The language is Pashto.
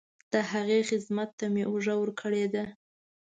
د هغې خدمت ته مې اوږه ورکړې ده.